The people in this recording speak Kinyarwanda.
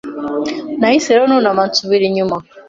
Nahise rero nunama nsubira inyuma